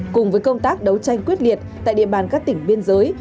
cùng với công tác đấu tranh quyết liệt tại địa bàn các tỉnh biên giới